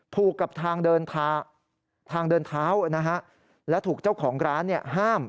ผูกกับทางเดินเท้าและถูกเจ้าของร้านห้าม